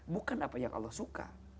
bukan apa yang allah suka